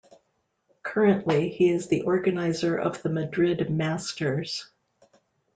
Currently, he is the organizer of the Madrid Masters.